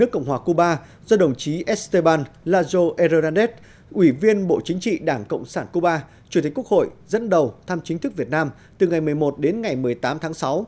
chủ tịch estêban lazo hernández ủy viên bộ chính trị đảng cộng sản cuba chủ tịch quốc hội dẫn đầu thăm chính thức việt nam từ ngày một mươi một đến ngày một mươi tám tháng sáu